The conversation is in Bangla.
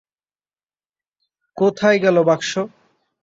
কোথায় গেল বাক্স?